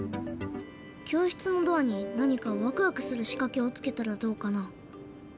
教室のドアに何かワクワクするしかけをつけたらどうかな？